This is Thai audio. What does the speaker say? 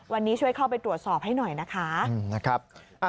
วันนี้ช่วยเข้าไปตรวจสอบให้หน่อยนะคะ